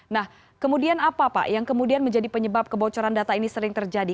nah kemudian apa pak yang kemudian menjadi penyebab kebocoran data ini sering terjadi